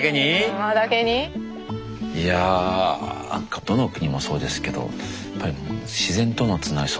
いやどの国もそうですけどやっぱり自然とのつながり